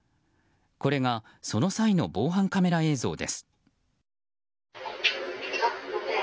これがその際の防犯カメラ映像です。